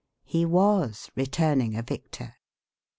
He was "returning a victor."